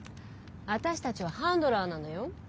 私たちはハンドラーなのよ。